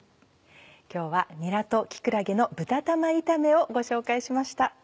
今日は「にらと木くらげの豚玉炒め」をご紹介しました。